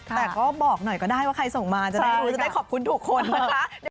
แต่ก็บอกหน่อยก็ได้ว่าใครส่งมาจะได้รู้จะได้ขอบคุณทุกคนนะคะ